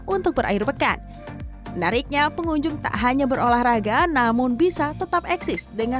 untuk berakhir pekan menariknya pengunjung tak hanya berolahraga namun bisa tetap eksis dengan